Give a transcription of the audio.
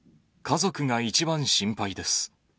家族が一番心配です。